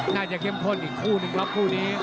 น่าจะเข้มข้นอีกคู่นึงครับคู่นี้